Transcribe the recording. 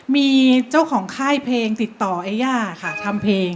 มีเจ้าของค่ายเพลงติดต่อไอ้ย่าค่ะทำเพลง